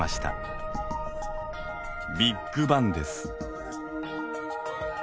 ビッグバンです。